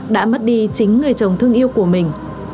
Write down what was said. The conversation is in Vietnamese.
đã mất đi chính người chồng thương yêu của mình